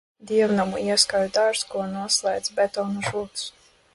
Dievnamu ieskauj dārzs, ko noslēdz betona žogs.